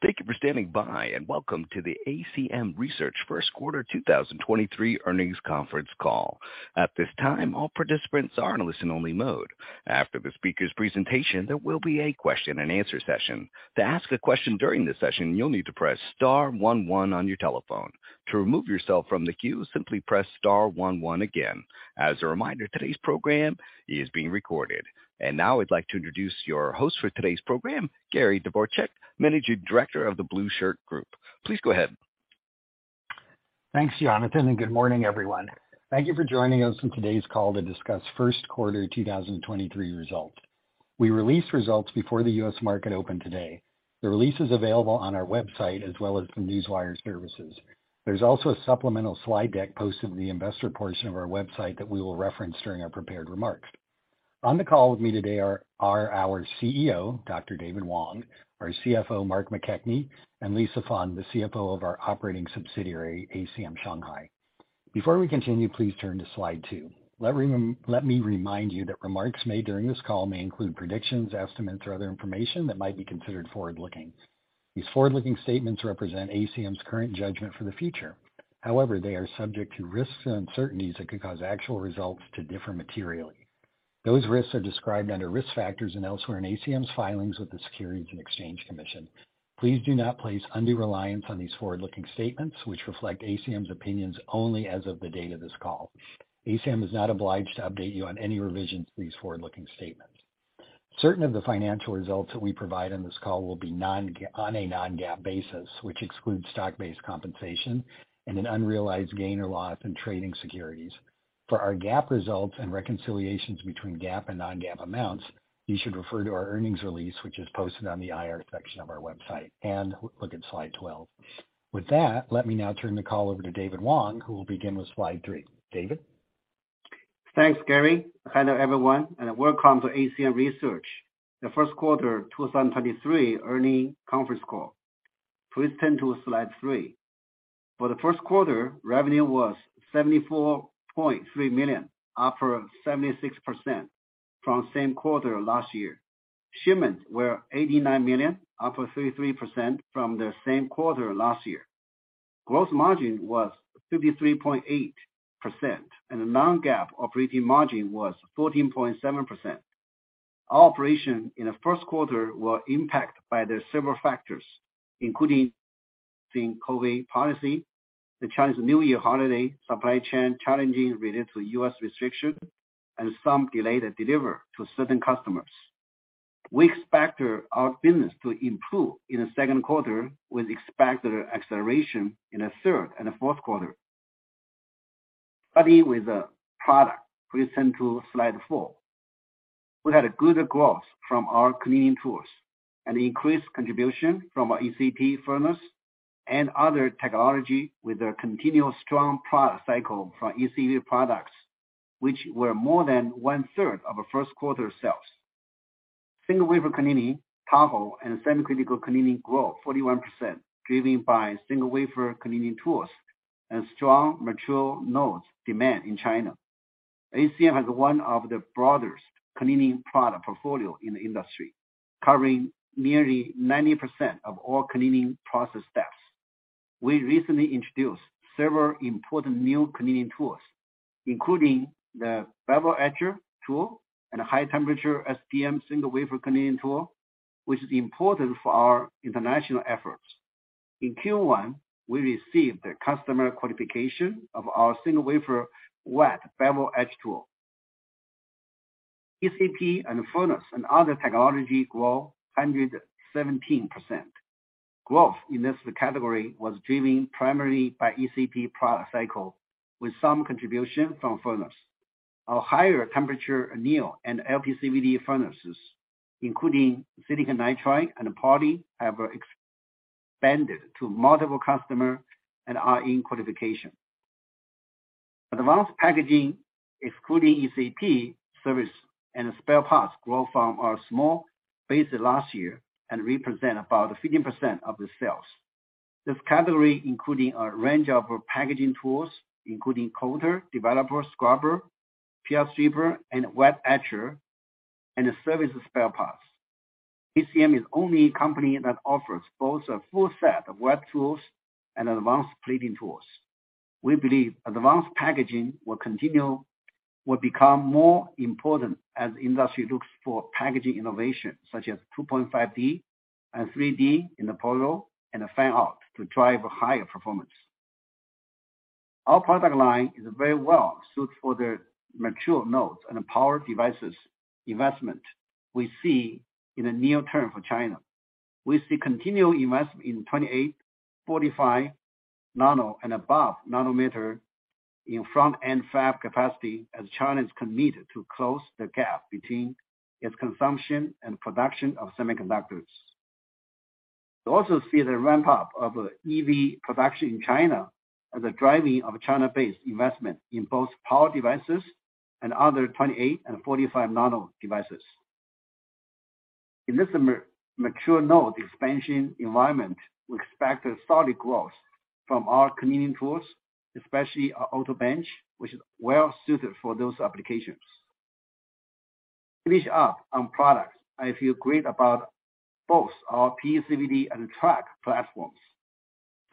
Thank you for standing by, and welcome to the ACM Research first quarter 2023 earnings conference call. At this time, all participants are in a listen only mode. After the speaker's presentation, there will be a question and answer session. To ask a question during this session, you'll need to press star one one on your telephone. To remove yourself from the queue, simply press star one one again. As a reminder, today's program is being recorded. Now I'd like to introduce your host for today's program, Gary Dvorchak, Managing Director of The Blueshirt Group. Please go ahead. Thanks, Jonathan, good morning, everyone. Thank you for joining us on today's call to discuss first quarter 2023 results. We released results before the U.S. market opened today. The release is available on our website as well as from Newswire Services. There's also a supplemental slide deck posted in the investor portion of our website that we will reference during our prepared remarks. On the call with me today are our CEO, Dr. David Wang, our CFO, Mark McKechnie, and Lisa Feng, the CFO of our operating subsidiary, ACM Shanghai. Before we continue, please turn to slide two. Let me remind you that remarks made during this call may include predictions, estimates, or other information that might be considered forward-looking. These forward-looking statements represent ACM's current judgment for the future. They are subject to risks and uncertainties that could cause actual results to differ materially. Those risks are described under Risk Factors and elsewhere in ACM's filings with the Securities and Exchange Commission. Please do not place undue reliance on these forward-looking statements, which reflect ACM's opinions only as of the date of this call. ACM is not obliged to update you on any revisions to these forward-looking statements. Certain of the financial results that we provide on this call will be on a non-GAAP basis, which excludes stock-based compensation and an unrealized gain or loss in trading securities. For our GAAP results and reconciliations between GAAP and non-GAAP amounts, you should refer to our earnings release, which is posted on the IR section of our website, and look at slide 12. Let me now turn the call over to David Wang, who will begin with slide three. David? Thanks, Gary. Hello, everyone, and welcome to ACM Research, the first quarter 2023 earnings conference call. Please turn to slide three. For the first quarter, revenue was $74.3 million, up for 76% from same quarter last year. Shipments were $89 million, up for 33% from the same quarter last year. Gross margin was 53.8%, and the non-GAAP operating margin was 14.7%. Our operation in the first quarter were impacted by the several factors, including the COVID policy, the Chinese New Year holiday, supply chain challenges related to U.S. restriction, and some delayed delivery to certain customers. We expect our business to improve in the second quarter with expected acceleration in the third and the fourth quarter. Starting with the product. Please turn to slide four. We had a good growth from our cleaning tools, an increased contribution from our ECP furnace and other technology with a continuous strong product cycle from ECP products, which were more than one-third of our first quarter sales. Single wafer cleaning, Tahoe and semi-critical cleaning grew 41%, driven by single wafer cleaning tools and strong mature nodes demand in China. ACM has one of the broadest cleaning product portfolio in the industry, covering nearly 90% of all cleaning process steps. We recently introduced several important new cleaning tools, including the Bevel Etch tool and a high temperature SDM single wafer cleaning tool, which is important for our international efforts. In Q1, we received the customer qualification of our single wafer wet Bevel Etch tool. ECP and furnace and other technology grew 117%. Growth in this category was driven primarily by ECP product cycle with some contribution from furnace. Our higher temperature anneal and LPCVD furnaces, including silicon nitride and poly, have expanded to multiple customer and are in qualification. Advanced packaging, excluding ECP service and spare parts, grew from our small base last year and represent about 15% of the sales. This category, including a range of packaging tools, including coater, developer, scrubber, PR stripper and wet etcher and service spare parts. ACM is only company that offers both a full set of wet tools and advanced plating tools. We believe advanced packaging will become more important as the industry looks for packaging innovation such as 2.5D and 3D interposer and fan-out to drive higher performance. Our product line is very well-suited for the mature nodes and power devices investment we see in the near term for China. We see continued investment in 28nm, 45nm and above nanometer in front-end fab capacity as China is committed to close the gap between its consumption and production of semiconductors. We also see the ramp up of EV production in China as a driving of China-based investment in both power devices and other 28nm and 45nm devices. In this mature node expansion environment, we expect a solid growth from our cleaning tools, especially our Auto Bench, which is well-suited for those applications. Finish up on products. I feel great about both our PECVD and Track platforms.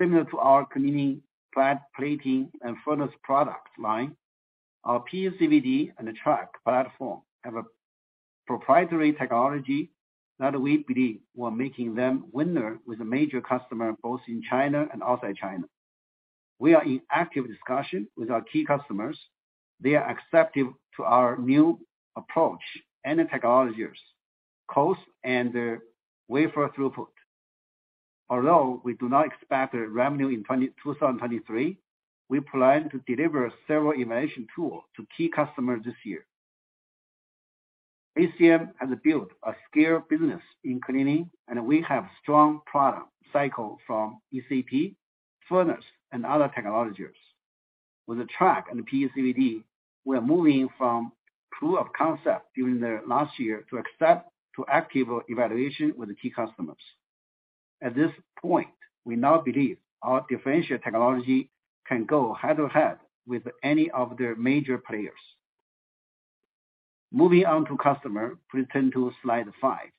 Similar to our cleaning plant plating and furnace product line, our PECVD and the Track platform have a proprietary technology that we believe we're making them winner with a major customer, both in China and outside China. We are in active discussion with our key customers. They are accepting to our new approach and the technologies, cost, and wafer throughput. Although we do not expect revenue in 2023, we plan to deliver several innovation tools to key customers this year. ACM has built a scale business in cleaning, and we have strong product cycle from ECP, furnace, and other technologies. With the Track and the PECVD, we are moving from proof of concept during the last year to accept to active evaluation with the key customers. At this point, we now believe our differential technology can go head to head with any of the major players. Moving on to customer, please turn to slide five.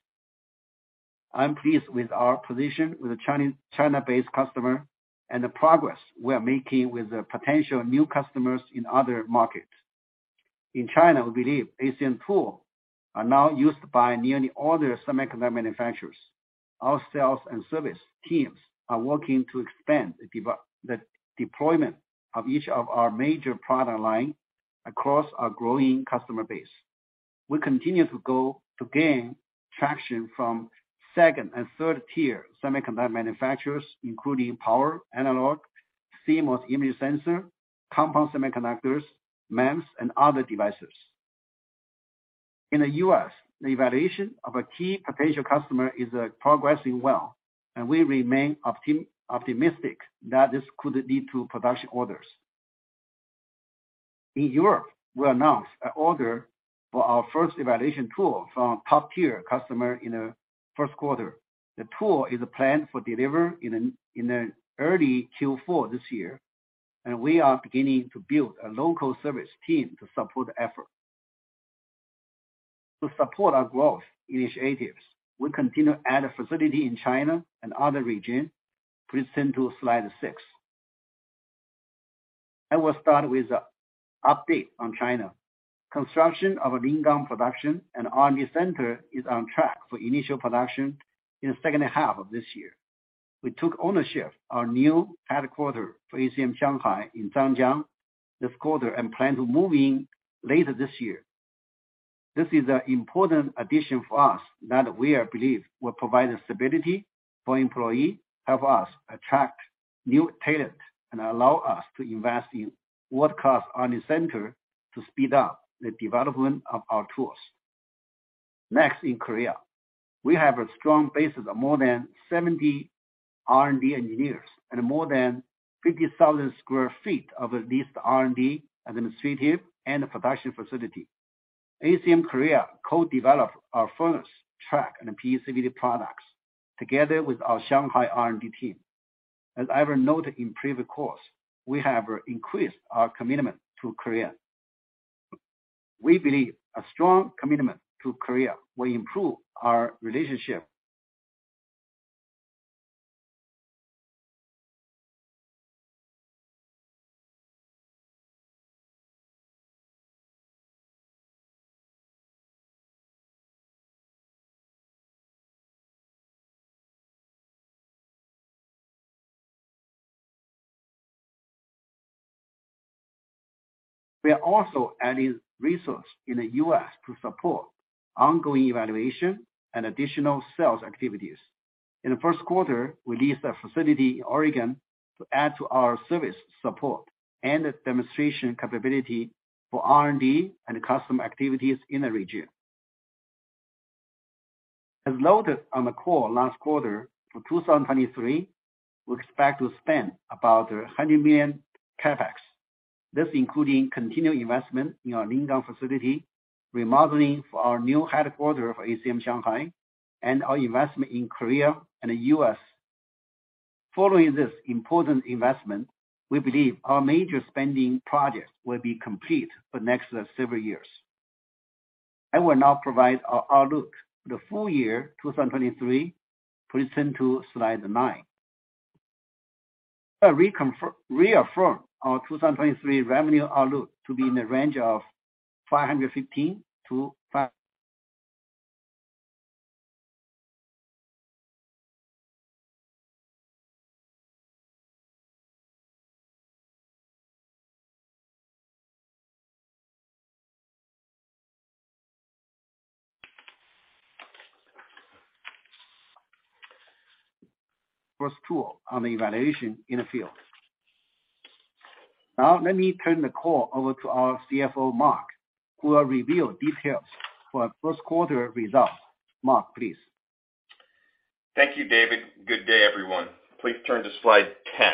I'm pleased with our position with the China-based customer and the progress we are making with the potential new customers in other markets. In China, we believe ACM tools are now used by nearly all the semiconductor manufacturers. Our sales and service teams are working to expand the deployment of each of our major product line across our growing customer base. We continue to gain traction from second and third-tier semiconductor manufacturers, including power, analog, CMOS, image sensor, compound semiconductors, MEMS, and other devices. In the U.S., the evaluation of a key potential customer is progressing well, and we remain optimistic that this could lead to production orders. In Europe, we announced an order for our 1st evaluation tool from top tier customer in the first quarter. The tool is planned for delivery in the early Q4 this year. We are beginning to build a local service team to support the effort. To support our growth initiatives, we continue to add a facility in China and other region. Please turn to slide six. I will start with update on China. Construction of our Ningbo production and R&D center is on track for initial production in the second half of this year. We took ownership our new headquarter for ACM Shanghai in Zhangjiang this quarter. We plan to move in later this year. This is an important addition for us that we are believe will provide stability for employee, help us attract new talent, and allow us to invest in world-class R&D center to speed up the development of our tools. Next, in Korea, we have a strong base of more than 70 R&D engineers and more than 50,000 sq ft of leased R&D, administrative, and production facility. ACM Research Korea co-develop our furnace, Track, and PECVD products together with our Shanghai R&D team. As I have noted in previous calls, we have increased our commitment to Korea. We believe a strong commitment to Korea will improve our relationship. We are also adding resource in the U.S. to support ongoing evaluation and additional sales activities. In the first quarter, we leased a facility in Oregon to add to our service support and demonstration capability for R&D and custom activities in the region. As noted on the call last quarter, for 2023, we expect to spend about $100 million CapEx. This including continued investment in our Ningbo facility, remodeling for our new headquarter for ACM Shanghai, and our investment in Korea and the U.S. Following this important investment, we believe our major spending projects will be complete for next several years. I will now provide our outlook for the full year 2023. Please turn to slide nine. We reaffirm our 2023 revenue outlook to be in the range of $515. First tool on the evaluation in the field. Let me turn the call over to our CFO Mark, who will reveal details for our first quarter results. Mark, please. Thank you, David. Good day, everyone. Please turn to slide 10.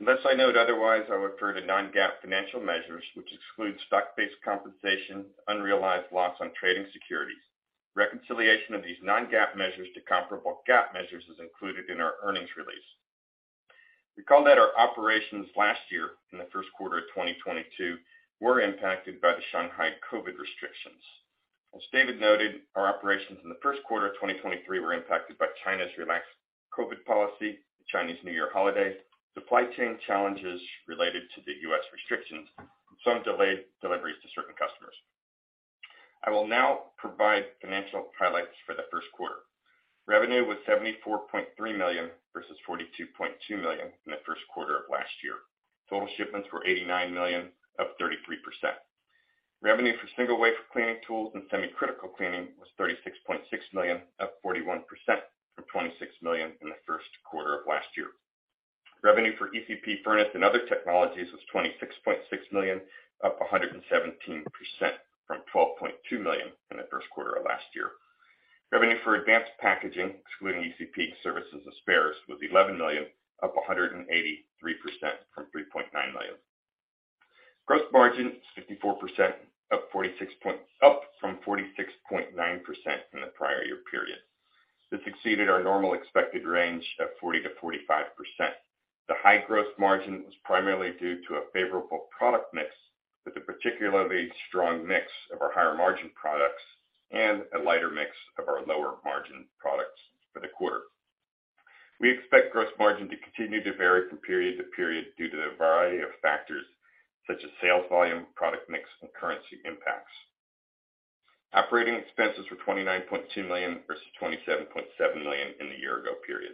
Unless I note otherwise, I refer to non-GAAP financial measures, which exclude stock-based compensation, unrealized loss on trading securities. Reconciliation of these non-GAAP measures to comparable GAAP measures is included in our earnings release. Recall that our operations last year in the first quarter of 2022 were impacted by the Shanghai COVID restrictions. As David noted, our operations in the first quarter of 2023 were impacted by China's relaxed COVID policy, the Chinese New Year holiday, supply chain challenges related to the U.S. restrictions, and some delayed deliveries to certain customers. I will now provide financial highlights for the first quarter. Revenue was $74.3 million, versus $42.2 million in the first quarter of last year. Total shipments were $89 million, up 33%. Revenue for single wafer cleaning tools and semi-critical cleaning was $36.6 million, up 41% from $26 million in the first quarter of last year. Revenue for ECP furnace and other technologies was $26.6 million, up 117% from $12.2 million in the first quarter of last year. Revenue for advanced packaging, excluding ECP services and spares, was $11 million, up 183% from $3.9 million. Gross margin is 54%, up from 46.9% in the prior year period. This exceeded our normal expected range of 40%-45%. The high gross margin was primarily due to a favorable product mix, with a particularly strong mix of our higher margin products and a lighter mix of our lower margin products for the quarter. We expect gross margin to continue to vary from period to period due to the variety of factors such as sales volume, product mix, and currency impacts. Operating expenses were $29.2 million versus $27.7 million in the year ago period.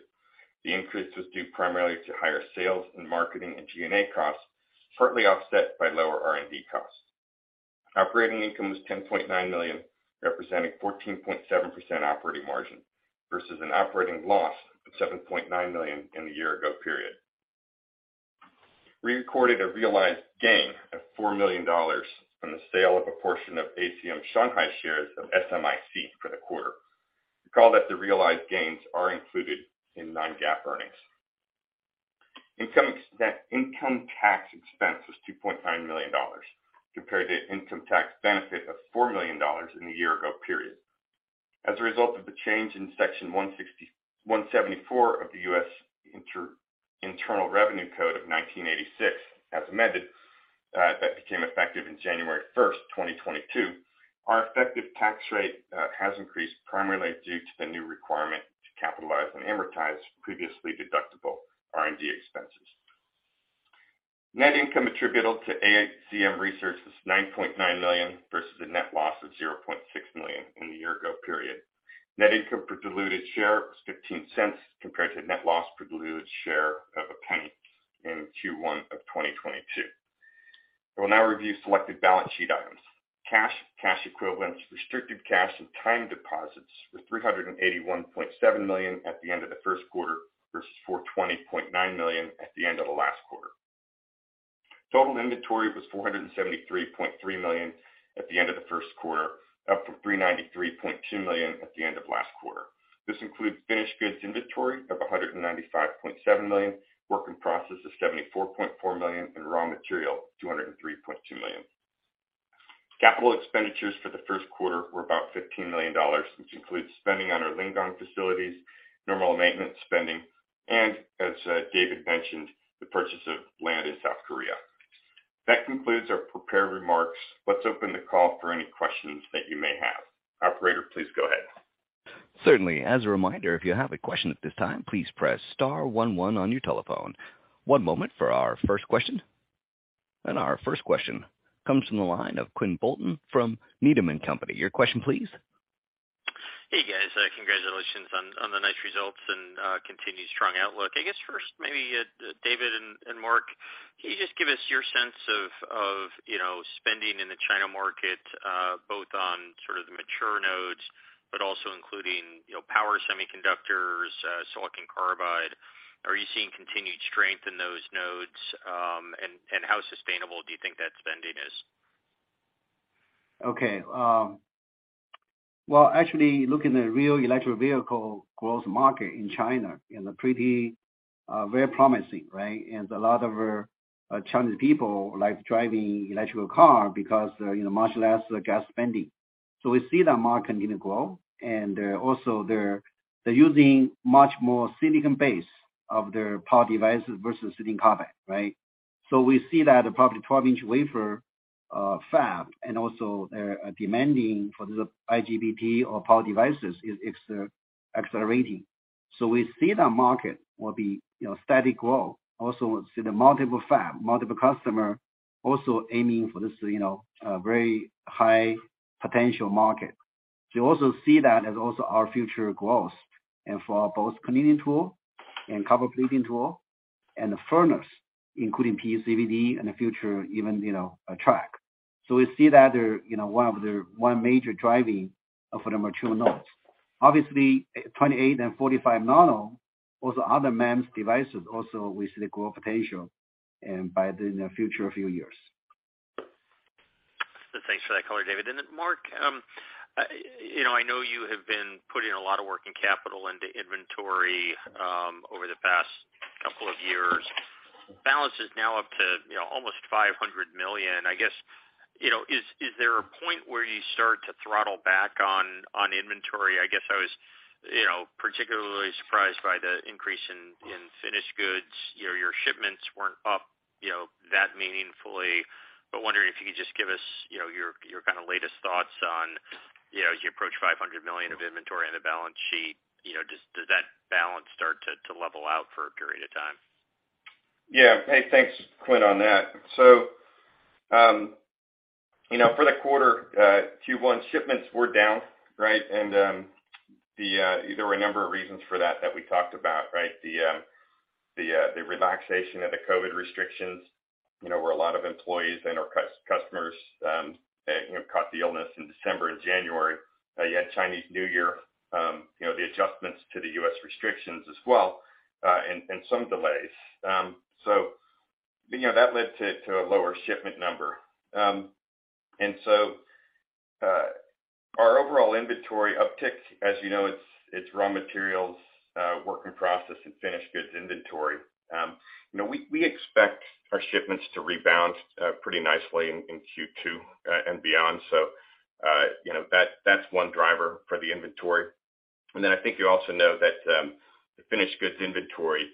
The increase was due primarily to higher sales and marketing and G&A costs, partly offset by lower R&D costs. Operating income was $10.9 million, representing 14.7% operating margin versus an operating loss of $7.9 million in the year ago period. We recorded a realized gain of $4 million from the sale of a portion of ACM Shanghai shares of SMIC for the quarter. Recall that the realized gains are included in non-GAAP earnings. Net income tax expense was $2.9 million compared to income tax benefit of $4 million in the year-ago period. As a result of the change in Section 174 of the U.S. Internal Revenue Code of 1986, as amended, that became effective in January 1, 2022, our effective tax rate has increased primarily due to the new requirement to capitalize and amortize previously deductible R&D expenses. Net income attributable to ACM Research is $9.9 million versus a net loss of $0.6 million in the year-ago period. Net income per diluted share was $0.15 compared to net loss per diluted share of $0.01 in Q1 of 2022. I will now review selected balance sheet items. Cash, cash equivalents, restricted cash, and time deposits were $381.7 million at the end of the first quarter versus $420.9 million at the end of the last quarter. Total inventory was $473.3 million at the end of the first quarter, up from $393.2 million at the end of last quarter. This includes finished goods inventory of $195.7 million, work in process of $74.4 million, and raw material, $203.2 million. Capital expenditures for the first quarter were about $15 million, which includes spending on our Lingang facilities, normal maintenance spending, and as David mentioned, the purchase of land in South Korea. That concludes our prepared remarks. Let's open the call for any questions that you may have. Operator, please go ahead. Certainly. As a reminder, if you have a question at this time, please press star one one on your telephone. One moment for our first question. Our first question comes from the line of Quinn Bolton from Needham & Company. Your question please. Hey, guys. Congratulations on the nice results and continued strong outlook. I guess first maybe David and Mark, can you just give us your sense of, you know, spending in the China market, both on sort of the mature nodes, but also including, you know, power semiconductors, silicon carbide. Are you seeing continued strength in those nodes? How sustainable do you think that spending is? Okay. Well, actually looking at real electric vehicle growth market in China, you know, pretty, very promising, right? A lot of Chinese people like driving electrical car because, you know, much less gas spending. We see the market gonna grow, and also they're using much more silicon base of their power devices versus silicon carbide, right? We see that probably 12-inch wafer fab and also they're demanding for the IGBT or power devices is accelerating. We see the market will be, you know, steady growth. Also see the multiple fab, multiple customer also aiming for this, you know, very high potential market. You also see that as also our future growth and for both cleaning tool and copper plating tool and the furnace, including PECVD, and the future even, you know, Track. We see that they're, you know, one of the major driving for the mature nodes. Obviously, 28 and 45nm, also other MEMS devices we see the growth potential by the future few years. Thanks for that color, David. Mark, I, you know, I know you have been putting a lot of working capital into inventory over the past couple of years. Balance is now up to, you know, almost $500 million. I guess, you know, is there a point where you start to throttle back on inventory? I guess I was, you know, particularly surprised by the increase in finished goods. You know, your shipments weren't up, you know, that meaningfully. Wondering if you could just give us, you know, your kind of latest thoughts on, you know, as you approach $500 million of inventory on the balance sheet, you know, does that balance start to level out for a period of time? Yeah. Hey, thanks, Quinn, on that. You know, for the quarter, Q1 shipments were down, right? The, there were a number of reasons for that we talked about, right? The, the relaxation of the COVID restrictions, you know, where a lot of employees and our customers, you know, caught the illness in December and January. You had Chinese New Year, you know, the adjustments to the U.S. restrictions as well, and some delays. You know, that led to a lower shipment number. Our overall inventory uptick, as you know, it's raw materials, work in process and finished goods inventory. You know, we expect our shipments to rebound, pretty nicely in Q2, and beyond. you know, that's one driver for the inventory. I think you also know that, the finished goods inventory,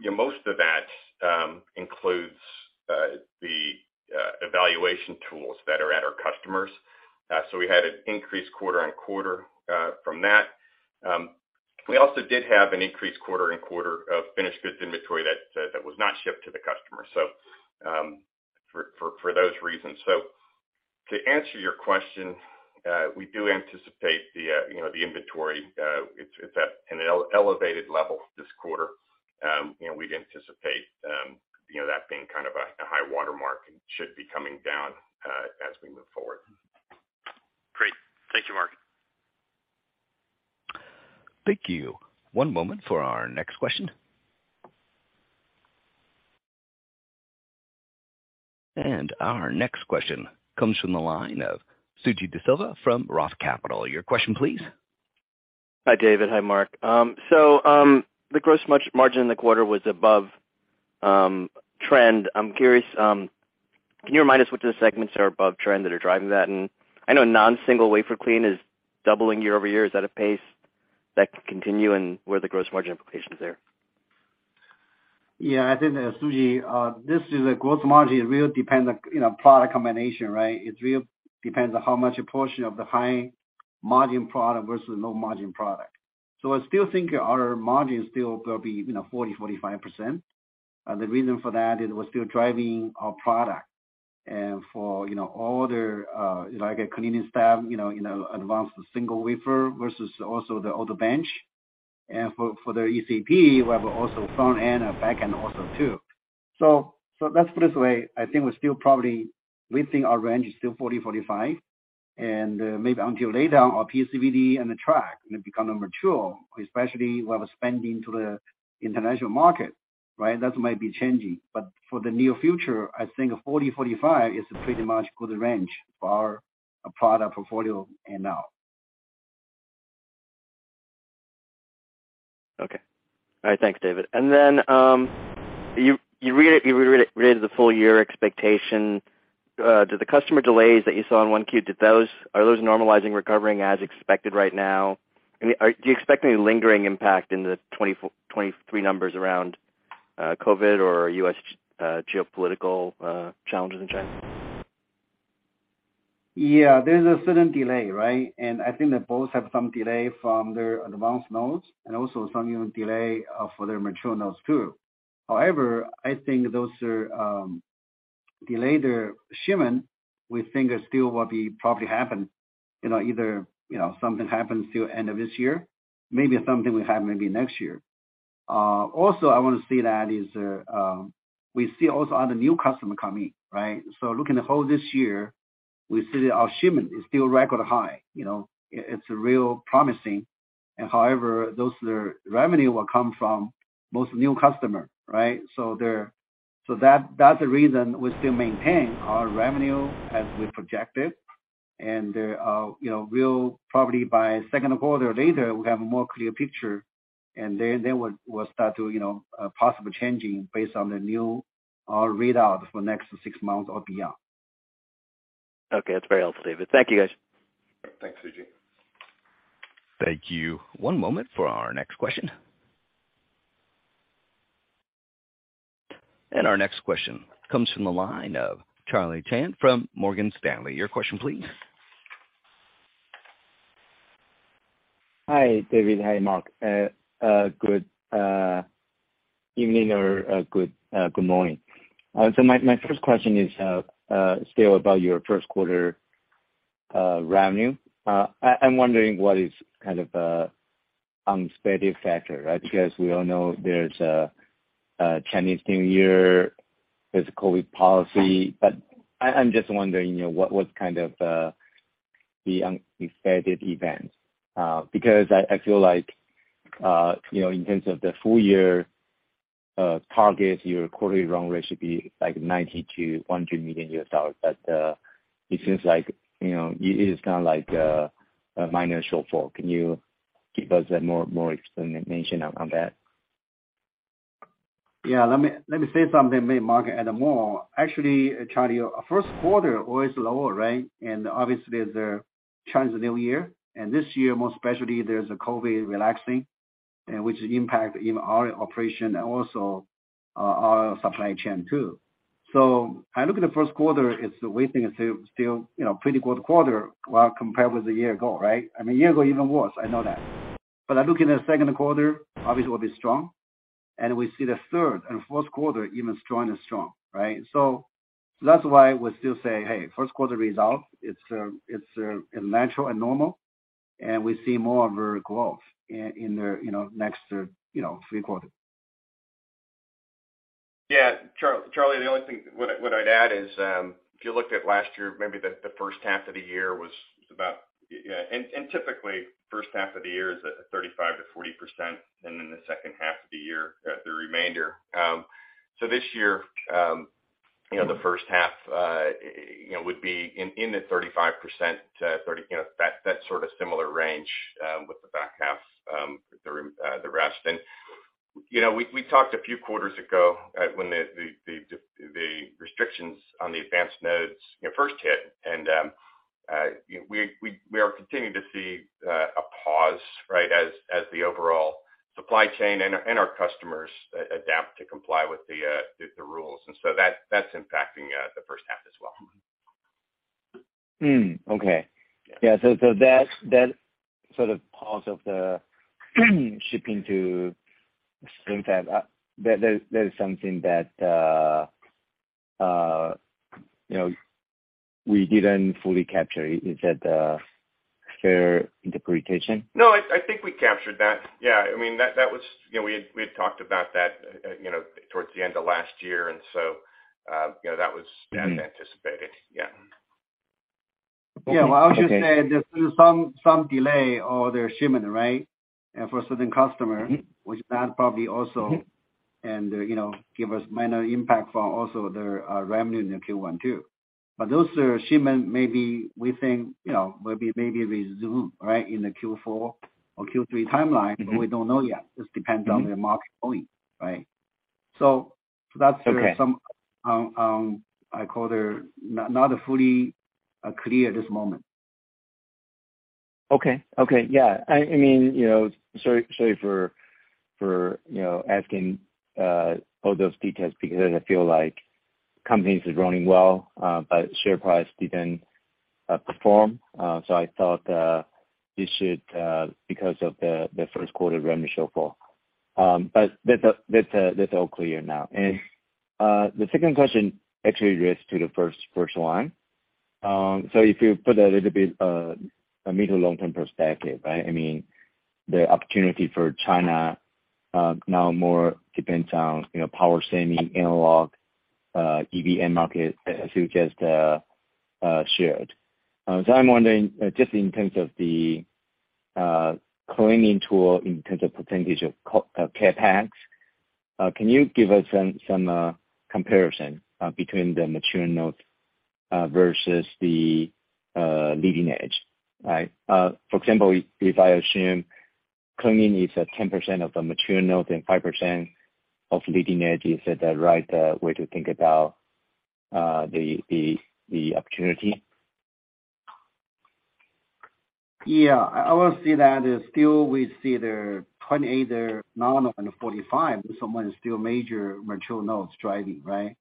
you know, most of that includes the evaluation tools that are at our customers. We had an increase quarter-on-quarter from that. We also did have an increased quarter-on-quarter of finished goods inventory that was not shipped to the customer, for those reasons. To answer your question, we do anticipate the, you know, the inventory, it's at an elevated level this quarter. you know, we'd anticipate, you know, that being kind of a high watermark and should be coming down as we move forward. Great. Thank you, Mark. Thank you. One moment for our next question. Our next question comes from the line of Suji Desilva from Roth Capital. Your question please. Hi, David. Hi, Mark. The gross margin in the quarter was above trend. I'm curious, can you remind us which of the segments are above trend that are driving that? I know non-single wafer clean is doubling year-over-year. Is that a pace that can continue, and what are the gross margin implications there? Yeah, I think, Suji, this is a gross margin, it really depends on, you know, product combination, right? It really depends on how much a portion of the high margin product versus low margin product. I still think our margin still will be, you know, 40%-45%. The reason for that is we're still driving our product. For, you know, all the, like a cleaning staff, you know, advanced single wafer versus also the older bench. For the ECP, we have also front end and back end also too. Let's put it this way, I think we're still probably within our range is still 40%-45%. Maybe until later our PECVD and the Track may become more mature, especially we have a spending to the international market, right? That might be changing. For the near future, I think 40%-45% is a pretty much good range for our product portfolio and now. Okay. All right. Thanks, David. You reiterated the full year expectation. Did the customer delays that you saw in 1Q, are those normalizing recovering as expected right now? I mean, do you expect any lingering impact in the 2023 numbers around COVID or U.S. geopolitical challenges in China? Yeah. There's a certain delay, right? I think they both have some delay from their advanced nodes and also some even delay for their mature nodes too. However, I think those are delayed shipment, we think it still will be probably happen, you know, either, you know, something happens till end of this year, maybe something will happen maybe next year. Also I wanna say that is we see also other new customer coming, right? Looking the whole this year, we see our shipment is still record high. You know, it's real promising. However, those are revenue will come from most new customer, right? That's the reason we still maintain our revenue as we projected. You know, we'll probably by second quarter later we'll have a more clear picture and then we'll start to, you know, possible changing based on the new, our readout for next six months or beyond. Okay. That's very helpful, David. Thank you, guys. Thanks, Suji. Thank you. One moment for our next question. Our next question comes from the line of Charlie Chan from Morgan Stanley. Your question please. Hi, David. Hi, Mark. Good evening or good morning. My first question is still about your first quarter revenue. I'm wondering what is kind of unexpected factor, right? Because we all know there's a Chinese New Year, there's COVID policy. I'm just wondering, you know, what kind of the unexpected events. Because I feel like, you know, in terms of the full year target, your quarterly run rate should be like $90-$100 million. It seems like, you know, it is kind of like a minor shortfall. Can you give us a more explanation on that? Yeah. Let me say something maybe Mark add more. Actually, Charlie, our first quarter always lower, right? Obviously there China's New Year, and this year more especially there's a COVID relaxing, which impact even our operation and also our supply chain too. I look at the first quarter, it's the way things are still, you know, pretty good quarter while compared with the year ago, right? I mean, year ago even worse, I know that. I look in the second quarter, obviously will be strong, and we see the third and fourth quarter even stronger and strong, right? That's why we still say, "Hey, first quarter results, it's natural and normal, and we see more of our growth in the, you know, next, you know, three quarter. Yeah. Charlie, the only thing what I'd add is, if you looked at last year, maybe the first half of the year was about. Typically first half of the year is at 35%-40%, then the second half of the year the remainder. This year, you know, the first half, you know, would be in the 35%, 30%, you know, that sort of similar range, with the back half the rest. You know, we talked a few quarters ago, when the restrictions on the advanced nodes, you know, first hit and, you know, we are continuing to see, a pause, right, as the overall supply chain and our customers adapt to comply with the rules. That's impacting the first half as well. Okay. Yeah. Yeah. that sort of pause of the shipping to Yeah. Sometimes, that is something that, you know, we didn't fully capture. Is that a fair interpretation? No, I think we captured that. I mean, that was. You know, we had talked about that, you know, towards the end of last year, you know, that was. Mm-hmm. that was anticipated. Yeah. Okay. Yeah. I would just say there's been some delay on their shipment, right? For certain customer- Mm-hmm. which that probably also- Mm-hmm. You know, give us minor impact from also their revenue in the Q1 too. Those are shipment maybe we think, you know, will be maybe resume, right, in the Q4 or Q3 timeline. Mm-hmm. We don't know yet. Just depends on- Mm-hmm. -the market only, right? that's- Okay. where some, I call the not fully clear at this moment. Okay. Okay. Yeah. I mean, you know, sorry for, you know, asking all those details because I feel like companies is running well, but share price didn't perform. I thought this should because of the first quarter revenue shortfall. That's that's all clear now. The second question actually relates to the first one. If you put a little bit a mid to long-term perspective, right? I mean, the opportunity for China now more depends on, you know, power semi, analog, EV market as you just shared. I'm wondering, just in terms of the cleaning tool in terms of percentage of CapEx, can you give us some comparison between the mature nodes versus the leading edge, right? For example, if I assume cleaning is at 10% of the mature nodes and 5% of leading edge, is that the right way to think about the opportunity? Yeah. I would say that is still we see the 28nm and the 45nm, somewhat is still major mature nodes driving, right?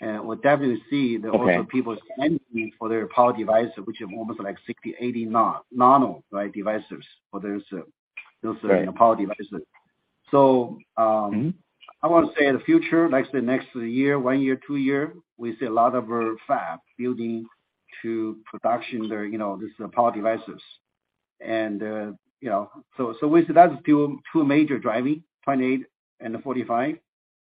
We'll definitely see- Okay. the also people's energy for their power device, which is almost like 60nm, 80nm, right, devices. Right. power devices. Mm-hmm. I wanna say in the future, like say next year, one year, two year, we see a lot of our fab building to production the, you know, this power devices. You know, so we see that's still two major driving, 28nm and the 45nm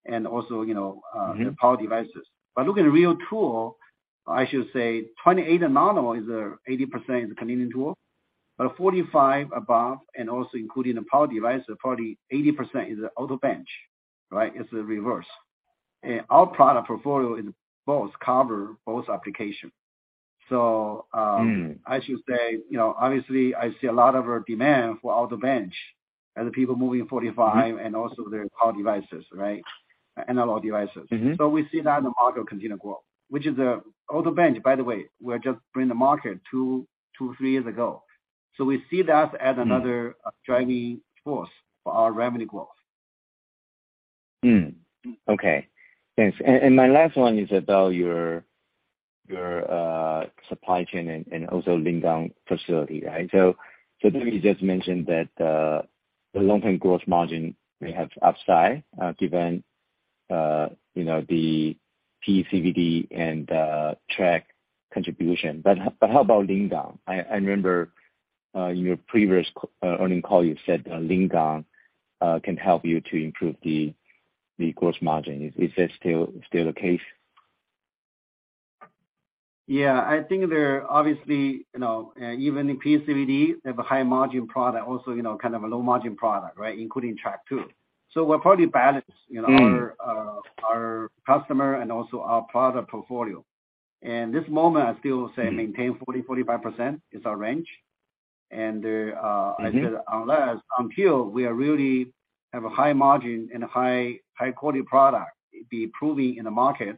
and also, you know. Mm-hmm. the power devices. Looking at real tool, I should say 28 and nano is 80% is a cleaning tool, but 45 above and also including the power device, probably 80% is Auto Bench, right? It's the reverse. Our product portfolio is both cover both application. Hmm. I should say, you know, obviously I see a lot of our demand for Auto Bench as people moving 45- Mm-hmm. Also their power devices, right? Analog devices. Mm-hmm. We see that the market continue to grow, which is the Auto Bench, by the way, we are just bringing the market two, three years ago. We see that as- Hmm. another driving force for our revenue growth. Okay. Thanks. My last one is about your supply chain and also Lingang facility, right? You just mentioned that the long-term growth margin may have upside given, you know, the PECVD and Track contribution. How about Lingang? I remember in your previous earning call, you said Lingang can help you to improve the growth margin. Is that still the case? Yeah. I think there are obviously, you know, even in PECVD, they have a high margin product also, you know, kind of a low margin product, right? Including Track too. We're probably balanced, you know. Hmm. Our customer and also our product portfolio. This moment, I still say maintain 40%-45% is our range. I said unless until we are really have a high margin and a high quality product be proving in the market,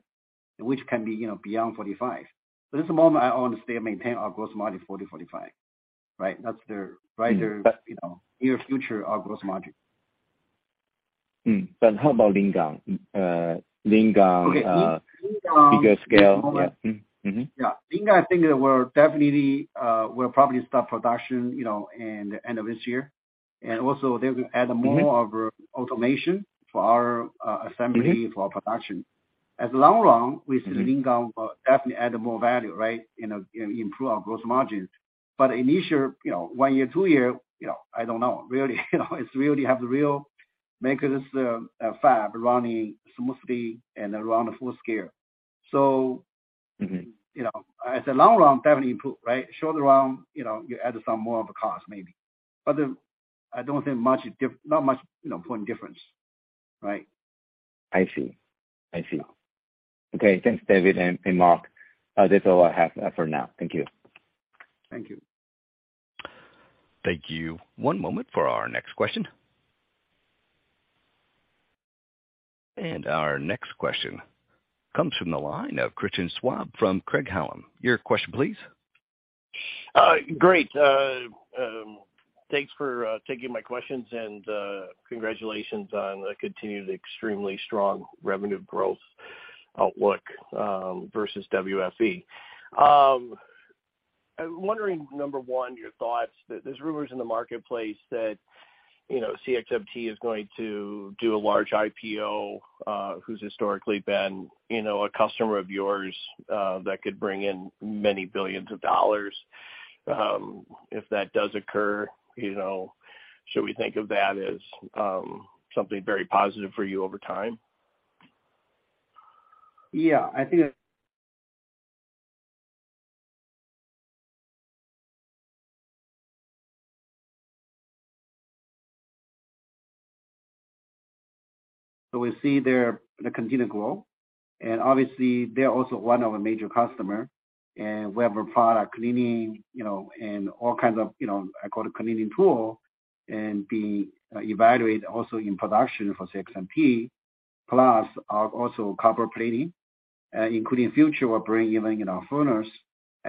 which can be, you know, beyond 45%. At this moment I want to stay and maintain our gross margin 40%-45%. Right. That's the, right, you know, near future, our gross margin. How about Lingang? Lingang, bigger scale. Yeah. Yeah. Lingang, I think that we're definitely, we'll probably start production, you know, in the end of this year. They will add more of automation for our assembly, for our production. As long run, we see Lingang will definitely add more value, right, you know, improve our gross margin. Initial, you know, one year, two year, you know, I don't know really, you know, it's really have the real make this fab running smoothly and around the full scale. Mm-hmm. You know, as a long run, definitely improve, right? Short run, you know, you add some more of a cost maybe. I don't think not much, you know, point difference, right? I see. I see. Okay. Thanks, David and Mark. That's all I have for now. Thank you. Thank you. Thank you. One moment for our next question. Our next question comes from the line of Christian Schwab from Craig-Hallum. Your question, please. Great. Thanks for taking my questions and congratulations on the continued extremely strong revenue growth outlook versus WFE. I'm wondering, number one, your thoughts. There's rumors in the marketplace that, you know, CXMT is going to do a large IPO, who's historically been, you know, a customer of yours, that could bring in many billions of dollars. If that does occur, you know, should we think of that as something very positive for you over time? We see their continued growth, obviously they're also one of our major customer. We have a product cleaning, you know, and all kinds of, you know, I call it cleaning tool, and being evaluated also in production for CXMT, plus our also copper plating, including future we're bringing even in our furnace,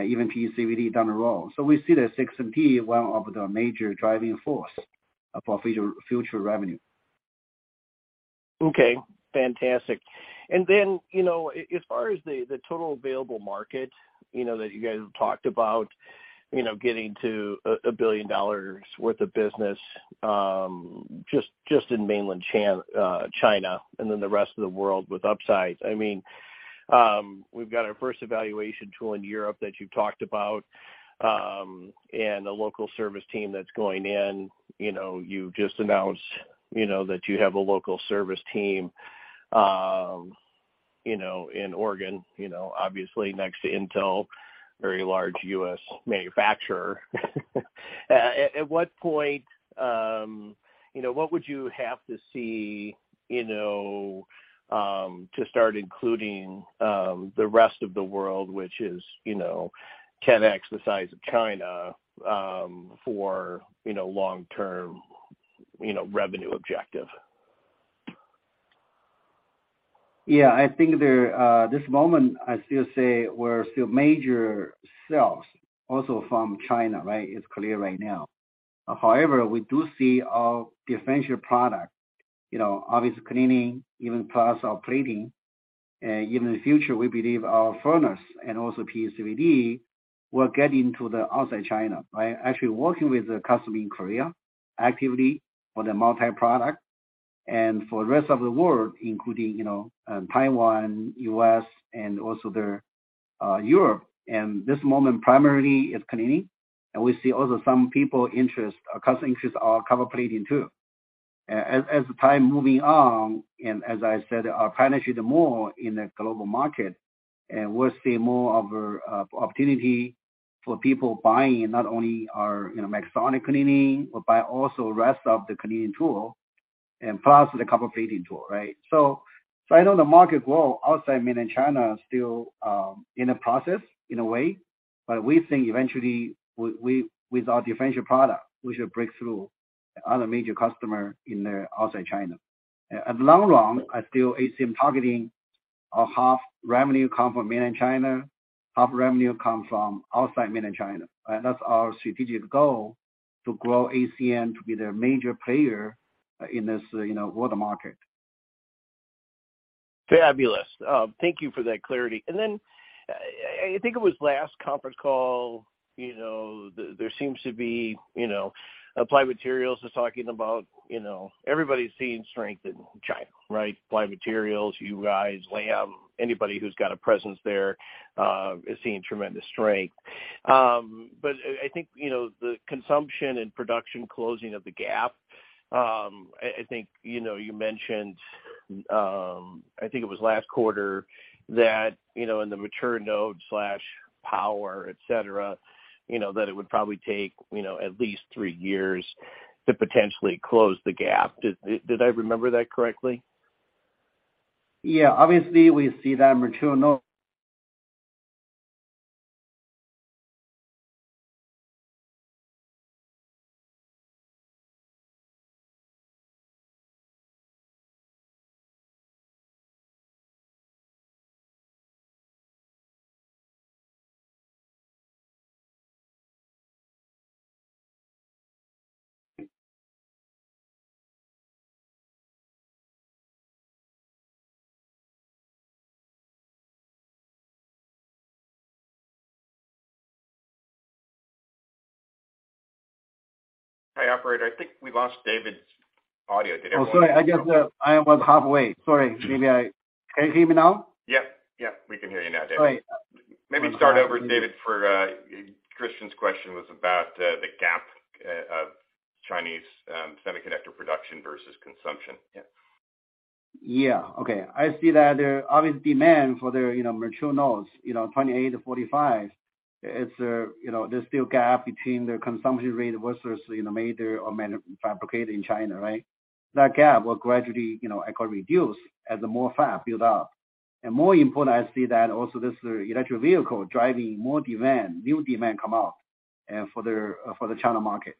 even PECVD down the road. We see the CXMT one of the major driving force for future revenue. Okay. Fantastic. you know, as far as the total available market, you know, that you guys have talked about, you know, getting to a $1 billion worth of business, just in mainland China, and then the rest of the world with upside. I mean, we've got our first evaluation tool in Europe that you've talked about, and a local service team that's going in. You know, you've just announced, you know, that you have a local service team, you know, in Oregon, you know, obviously next to Intel, very large U.S. manufacturer. At what point, you know, what would you have to see, you know, to start including the rest of the world, which is, you know, 10x the size of China, for, you know, long-term, you know, revenue objective? Yeah. I think there, this moment I still say we're still major sales also from China, right? It's clear right now. However, we do see our differential product, you know, obviously cleaning even plus our plating. Even in the future, we believe our furnace and also PECVD will get into the outside China, right? Actually working with a customer in Korea actively for the multi-product and for the rest of the world, including, you know, Taiwan, U.S., and also the Europe. This moment primarily is cleaning. We see also some people interest, our customers interest our copper plating too. As the time moving on, and as I said, our penetrate more in the global market, and we'll see more of a opportunity for people buying not only our, you know, megasonic cleaning, but by also rest of the cleaning tool and plus the copper plating tool, right? I know the market grow outside mainland China still in a process in a way, but we think eventually we, with our differential product, we should break through other major customer in the outside China. At long run, I still ACM targeting a half revenue come from mainland China, half revenue come from outside mainland China, right? That's our strategic goal to grow ACM to be the major player in this, you know, world market. Fabulous. Thank you for that clarity. I think it was last conference call, you know, there seems to be, you know, Applied Materials is talking about, you know, everybody's seeing strength in China, right? Applied Materials, you guys, Lam, anybody who's got a presence there, is seeing tremendous strength. I think, you know, the consumption and production closing of the gap, I think, you know, you mentioned, I think it was last quarter that, you know, in the mature node/power, et cetera, you know, that it would probably take, you know, at least three years. To potentially close the gap. Did I remember that correctly? Yeah. Obviously, we see that mature. Hey, operator. I think we lost David's audio. Did everyone. Oh, sorry. I guess, I was halfway. Sorry. Maybe. Can you hear me now? Yep. Yeah, we can hear you now, David. Sorry. Maybe start over, David, for Christian's question was about the gap of Chinese semiconductor production versus consumption. Yeah. Yeah. Okay. I see that there obvious demand for their, you know, mature nodes, you know, 28nm-45nm. It's, you know, there's still gap between their consumption rate versus, you know, fabricated in China, right? That gap will gradually, you know, equal reduce as the more fab build out. More important, I see that also this electric vehicle driving more demand, new demand come out for the China market.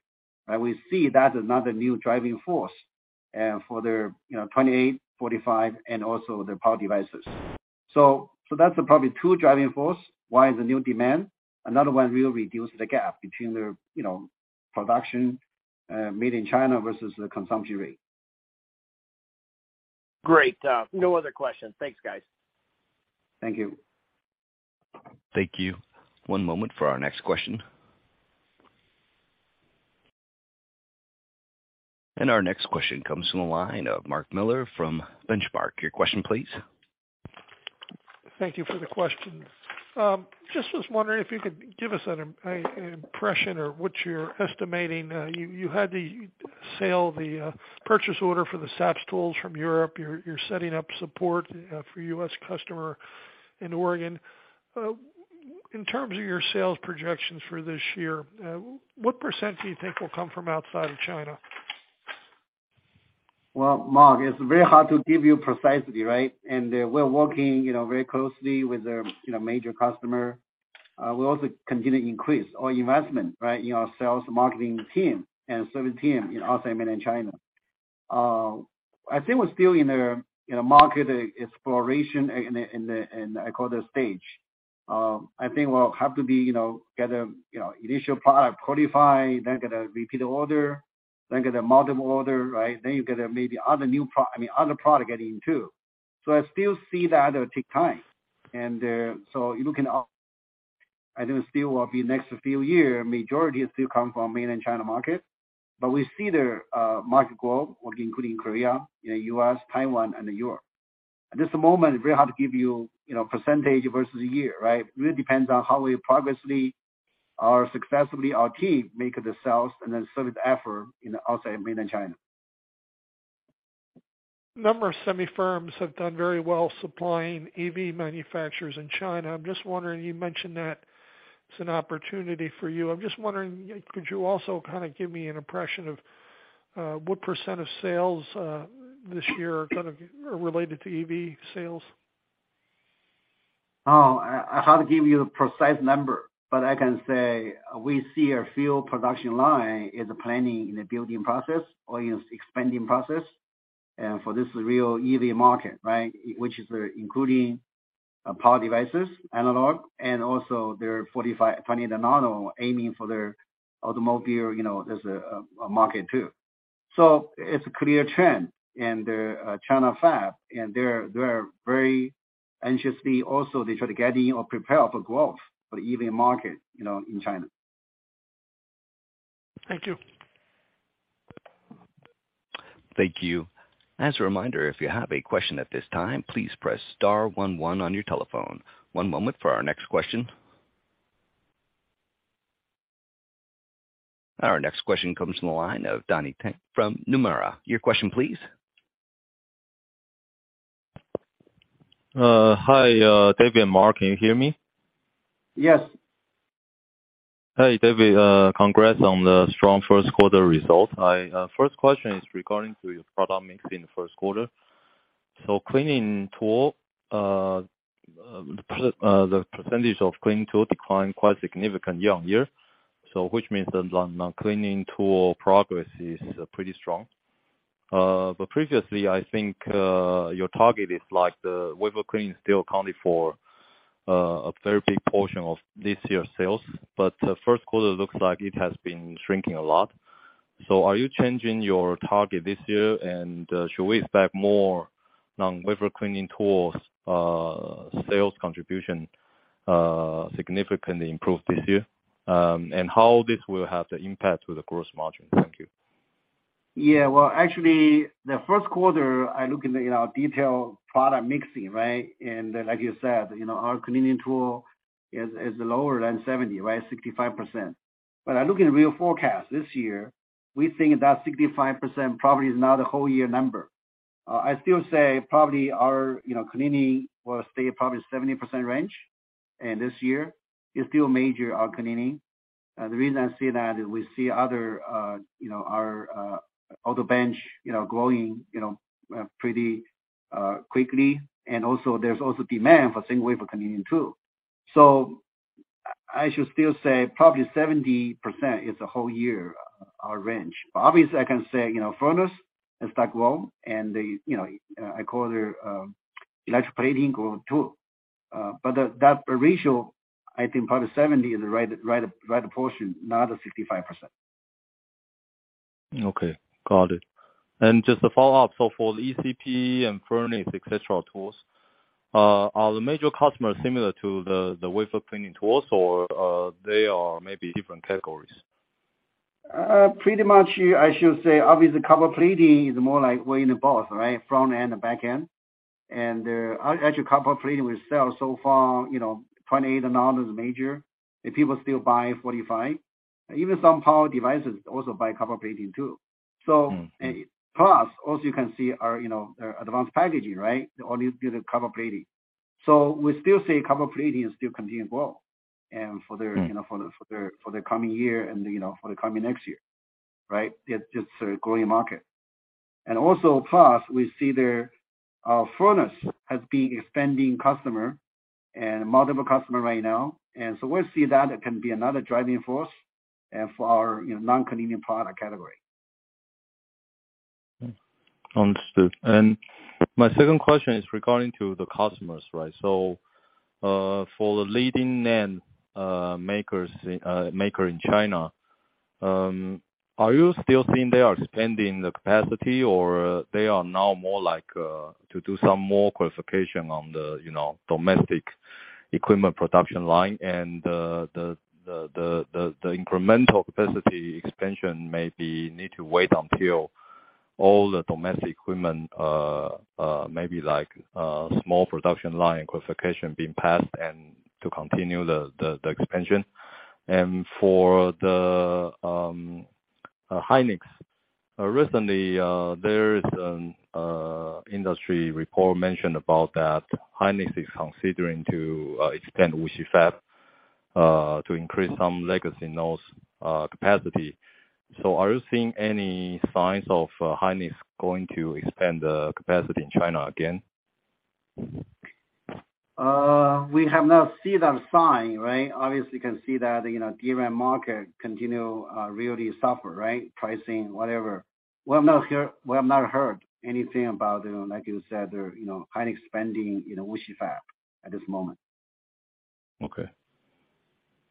We see that another new driving force for their, you know, 28nm, 45nm, and also the power devices. So that's the probably two driving force. One is the new demand, another one will reduce the gap between their, you know, production made in China versus the consumption rate. Great. No other questions. Thanks, guys. Thank you. Thank you. One moment for our next question. Our next question comes from the line of Mark Miller from Benchmark. Your question please. Thank you for the question. Just was wondering if you could give us an impression or what you're estimating. You had the purchase order for the SAPS tools from Europe. You're setting up support for U.S. customer in Oregon. In terms of your sales projections for this year, what percent do you think will come from outside of China? Well, Mark, it's very hard to give you precisely, right? We're working, you know, very closely with a, you know, major customer. We also continue to increase our investment, right, in our sales marketing team and service team in outside mainland China. I think we're still in a market exploration in the, I call, the stage. I think we'll have to be, you know, get a, you know, initial product qualified, then get a repeat order, then get a multiple order, right? You get a maybe other I mean, other product get in too. I still see that take time. Looking out, I think still will be next few year, majority still come from mainland China market. We see the market grow, including Korea, you know, U.S., Taiwan, and Europe. At this moment, very hard to give you know, percentage versus year, right? Really depends on how we progressively or successfully our team make the sales and then service effort in outside mainland China. Number of semi firms have done very well supplying EV manufacturers in China. I'm just wondering, you mentioned that it's an opportunity for you. I'm just wondering, could you also kinda give me an impression of what % of sales this year are gonna be or related to EV sales? I hard to give you a precise number, but I can say we see a few production line is planning in the building process or is expanding process for this real EV market, right? Which is including power devices, analog, and also their 45, 20nm aiming for their automobile. You know, there's a market too. It's a clear trend in the China fab, and they're very anxiously also they try to get in or prepare for growth for the EV market, you know, in China. Thank you. Thank you. As a reminder, if you have a question at this time, please press star one one on your telephone. One moment for our next question. Our next question comes from the line of Donnie Tang from Nomura. Your question please. Hi, David and Mark. Can you hear me? Yes. Hey, David, congrats on the strong first quarter results. I, first question is regarding to your product mix in the first quarter. Cleaning tool, the percentage of cleaning tool declined quite significant year-over-year, so which means the non-cleaning tool progress is pretty strong. Previously I think your target is like the wafer cleaning still accounted for a very big portion of this year's sales. The first quarter looks like it has been shrinking a lot. Are you changing your target this year? Should we expect more non-wafer cleaning tools, sales contribution, significantly improve this year? How this will have the impact with the gross margin? Thank you. Yeah. Well, actually the first quarter I look in the, you know, detail product mixing, right? Like you said, you know, our cleaning tool is lower than 70%, right, 65%. When I look in real forecast this year, we think that 65% probably is not a whole year number. I still say probably our, you know, cleaning will stay probably 70% range. This year is still major our cleaning. The reason I say that is we see other, you know, our other bench, you know, growing, you know, pretty quickly. Also there's also demand for single wafer cleaning too. I should still say probably 70% is a whole year, our range. Obviously, I can say, you know, furnace is like low and the, you know, I call it, electroplating grow too. That ratio I think probably 70% is the right proportion, not the 55%. Okay. Got it. Just a follow-up. For ECP and furnace, et cetera, tools, are the major customers similar to the wafer cleaning tools or, they are maybe different categories? pretty much, I should say obviously copper plating is more like we're in both, right? Front and the back end. actually, copper plating we sell so far, you know, 28nm is major, and people still buy 45nm. Even some power devices also buy copper plating too. Mm-hmm. Plus also you can see our, you know, our advanced packaging. All these do the copper plating. We still say copper plating is still continuing to grow. Mm-hmm... you know, for the coming year and, you know, for the coming next year, right? It's a growing market. Also plus we see their furnace has been expanding customer and multiple customer right now. So we'll see that it can be another driving force for our, you know, non-cleaning product category. Understood. My second question is regarding to the customers, right? For the leading name makers, maker in China, are you still seeing they are expanding the capacity or they are now more like to do some more qualification on the, you know, domestic equipment production line and the incremental capacity expansion maybe need to wait until all the domestic equipment maybe like small production line qualification being passed and to continue the expansion? For the Hynix, recently, there is an industry report mentioned about that Hynix is considering to expand Wuxi Fab to increase some legacy nodes capacity. Are you seeing any signs of Hynix going to expand the capacity in China again? We have not seen that sign, right? Obviously, you can see that, you know, DRAM market continue really suffer, right? Pricing, whatever. We have not heard anything about, you know, like you said, you know, Hynix expanding in Wuxi Fab at this moment. Okay.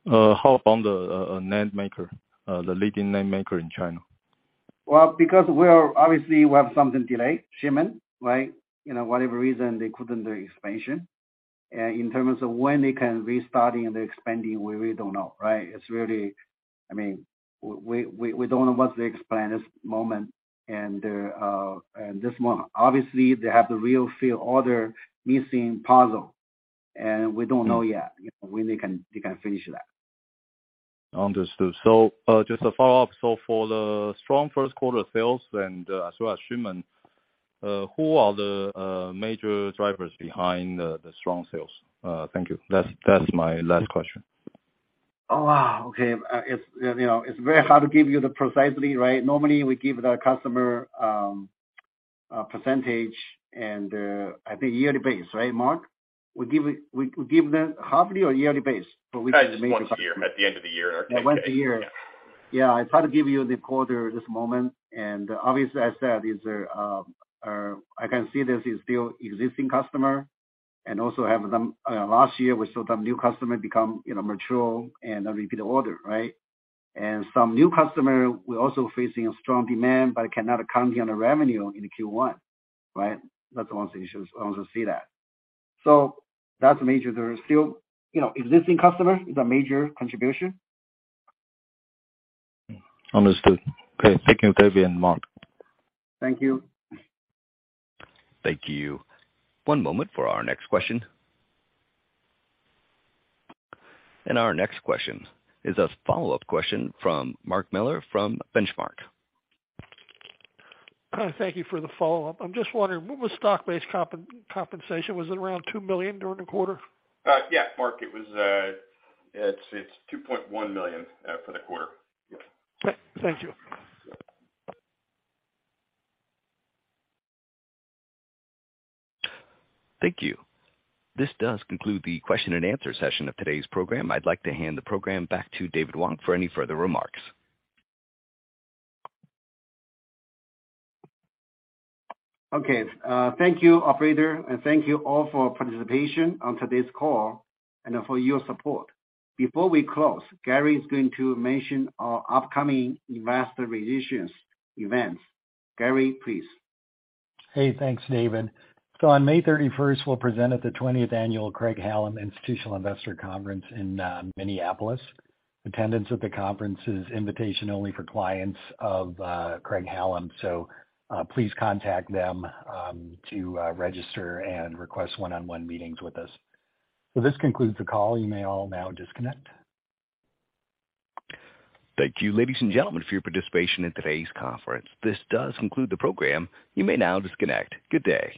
How about the NAND maker, the leading NAND maker in China? Well, because we're obviously we have something delayed, shipment, right? You know, whatever reason, they couldn't do expansion. In terms of when they can restarting the expanding, we really don't know, right? I mean, we don't know what they expand this moment and the, and this month. Obviously, they have the real field order missing puzzle. We don't know yet. Mm-hmm when they can, they can finish that. Understood. Just a follow-up. For the strong first quarter sales and as well as shipment, who are the major drivers behind the strong sales? Thank you. That's my last question. Oh, wow. Okay. It's, you know, it's very hard to give you the precisely, right? Normally we give the customer, a percentage and, I think yearly base, right, Mark? We give them halfway or yearly base. Once a year, at the end of the year. Once a year. Yeah. Yeah, it's hard to give you the quarter this moment. Obviously, as I said, is there, I can see this is still existing customer and also have them, last year, we saw some new customer become, you know, mature and a repeat order, right? Some new customer, we're also facing a strong demand but cannot account the revenue in Q1, right? That's the one thing you should also see that. That's major. There are still, you know, existing customers is a major contribution. Understood. Okay. Thank you, David and Mark. Thank you. Thank you. One moment for our next question. Our next question is a follow-up question from Mark Miller from Benchmark. Thank you for the follow-up. I'm just wondering, what was stock-based compensation? Was it around $2 million during the quarter? Mark, it was, it's $2.1 million for the quarter. Okay. Thank you. Thank you. This does conclude the question and answer session of today's program. I'd like to hand the program back to David Wang for any further remarks. Okay. Thank you, operator, and thank you all for participation on today's call and for your support. Before we close, Gary is going to mention our upcoming investor relations events. Gary, please. Hey. Thanks, David. On May 31st, we'll present at the 20th annual Craig-Hallum Institutional Investor Conference in Minneapolis. Attendance at the conference is invitation only for clients of Craig-Hallum. Please contact them to register and request one-on-one meetings with us. This concludes the call. You may all now disconnect. Thank you, ladies and gentlemen, for your participation in today's conference. This does conclude the program. You may now disconnect. Good day.